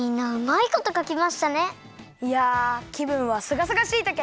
いやきぶんはすがすがしいたけ！